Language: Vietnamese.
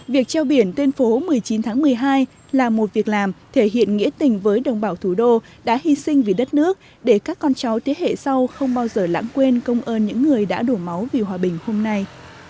việc treo biển tuyên phố một mươi chín tháng một mươi hai là một việc làm thể hiện nghĩa tình với đồng bào thủ đô đã hy sinh vì đất nước để các con cháu thế hệ sau không bao giờ lãng quên công ơn những người đã đổ máu vì hòa bình hôm nay